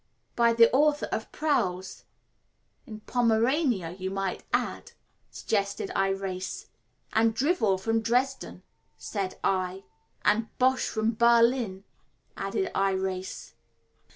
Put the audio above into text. "By the author of Prowls in Pomerania, you might add," suggested Irais. "And Drivel from Dresden," said I. "And Bosh from Berlin," added Irais.